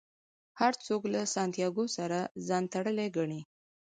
هر څوک له سانتیاګو سره ځان تړلی ګڼي.